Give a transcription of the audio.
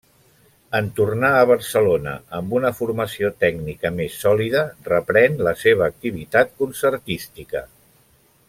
En tornar a Barcelona, amb una formació tècnica més sòlida, reprèn la seva activitat concertística.